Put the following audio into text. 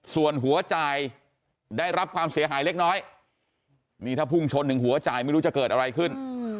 ส่วนหัวจ่ายได้รับความเสียหายเล็กน้อยนี่ถ้าพุ่งชนถึงหัวจ่ายไม่รู้จะเกิดอะไรขึ้น